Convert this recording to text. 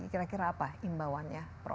kira kira apa imbauannya prof